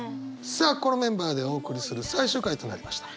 さあこのメンバーでお送りする最終回となりました。